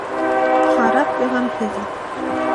— Харап ғәмһеҙ ул.